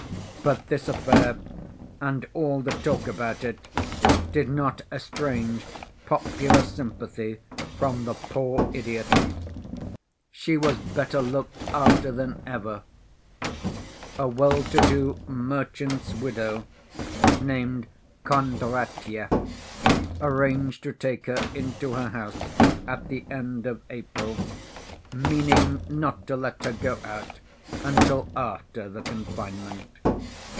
But this affair and all the talk about it did not estrange popular sympathy from the poor idiot. She was better looked after than ever. A well‐to‐do merchant's widow named Kondratyev arranged to take her into her house at the end of April, meaning not to let her go out until after the confinement.